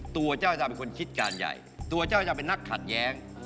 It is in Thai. ตัวเจ้าจะเป็นคนคิดการใหญ่ตัวเจ้าจะเป็นนักขัดแย้ง